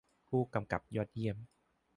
- ผู้กำกับยอดเยี่ยม